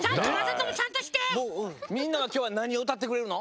みんなはきょうはなにをうたってくれるの？